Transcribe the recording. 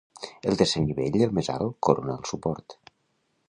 El tercer nivell, el més alt, corona el suport.